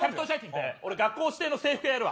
学校指定の制服屋やるわ。